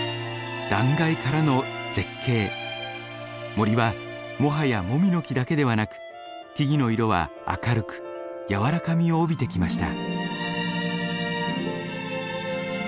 森はもはやもみの木だけではなく木々の色は明るく柔らかみを帯びてきました。